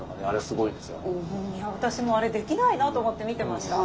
私もあれできないなと思って見てました。